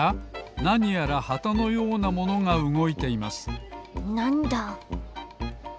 なにやらはたのようなものがうごいていますなんだ？